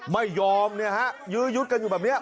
ไม่ยอมเนี่ยฮะยื้อยุดกันอยู่แบบนี้